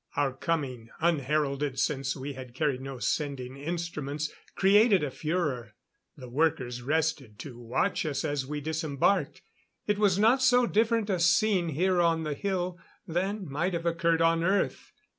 Our coming unheralded since we had carried no sending instruments created a furor. The workers rested to watch us as we disembarked. It was not so different a scene, here on the hill, than might have occurred on Earth.